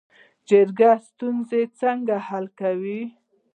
جرګه ستونزې څنګه حل کوي؟